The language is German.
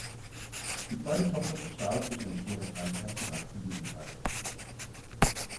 Die zweite Tochter verstarb durch eine schwere Krankheit bereits im Jugendalter.